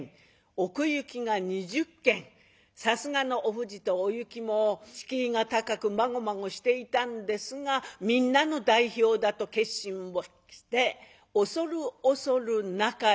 さすがのおふじとおゆきも敷居が高くまごまごしていたんですがみんなの代表だと決心をして恐る恐る中へ。